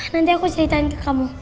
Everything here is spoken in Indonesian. nanti aku ceritain ke kamu